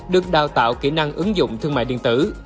được đào tạo kỹ năng ứng dụng thương mại điện tử